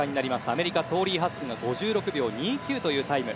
アメリカ、トーリー・ハスクが５６秒２９というタイム。